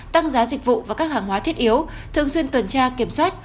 tăng giá dịch vụ và các hàng hóa thiết yếu thường xuyên tuần tra kiểm soát